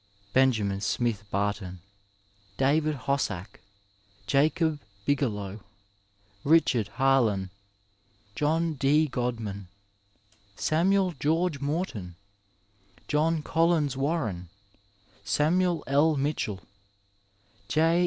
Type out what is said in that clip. Benjamin Smith Bart<Hi, David Hossaek, Jacob Bigelow, Richard Harlan, John D. Qodman, Samuel George Morton, John Collins Warren, Samuel L. Mitehdl J.